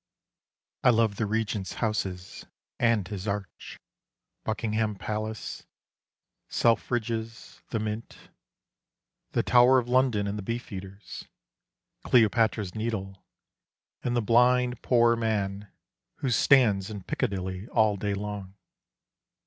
I love the Regent's houses and his Arch, Buckingham Palace, Selfridge's, the Mint, The Tower of London and the beefeaters, Cleopatra's Needle and the blind poor man 21 London. Who stands in Piccadilly all day long.